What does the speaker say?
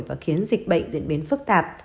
và khiến dịch bệnh diễn biến phức tạp